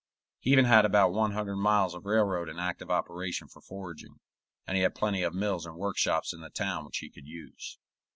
He even had about one hundred miles of railroad in active operation for foraging, and he had plenty of mills and workshops in the town which he could use.